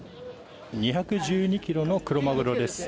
２１２ｋｇのクロマグロです